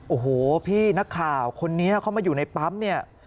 โอ้โหพี่นักข่าวคนนี้เข้ามาอยู่ในปั๊มเนี่ย